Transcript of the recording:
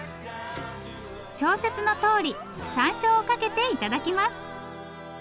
小説のとおりさんしょうをかけて頂きます。